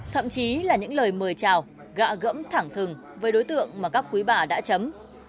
thậm chí là những lời mời chào gạ gẫm thẳng thừng với đối tượng mà các quý bà đã chấm